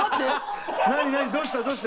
どうした？